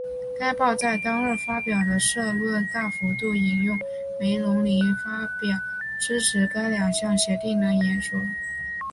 该报在当日发表的社论大幅度引用梅隆尼发表支持该两项协定的演说。